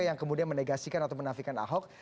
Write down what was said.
yang kemudian menegasikan atau menafikan ahok